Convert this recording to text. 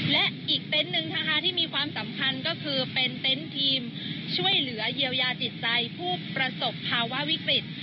และอีกเต็นต์หนึ่งนะคะที่มีความสำคัญก็คือเป็นเต็นต์ทีมช่วยเหลือเยียวยาจิตใจผู้ประสบภาวะวิกฤต